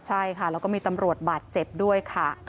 ใช่ค่ะแล้วก็มีตำรวจบาดเจ็บด้วยค่ะ